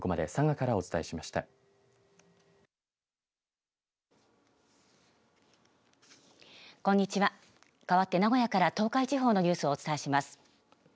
かわって名古屋から東海地方のニュースをお伝えします。